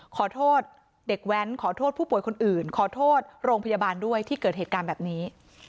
ขอโทษเด็กแว้นขอโทษผู้ป่วยคนอื่นขอโทษโรงพยาบาลด้วยที่เกิดเหตุการณ์แบบนี้